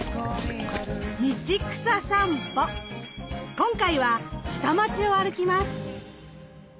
今回は下町を歩きます。